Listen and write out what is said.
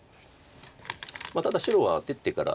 ただ白は出てから。